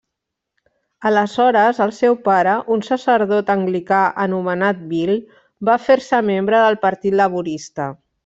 Aleshores el seu pare, un sacerdot anglicà anomenat Bill, va fer-se membre del Partit Laborista.